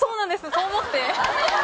そう思って。